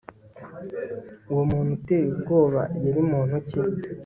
uwo muntu uteye ubwoba yari muntu ki